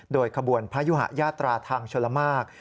โดยขบวนพยุหะยาตราทางชลมาก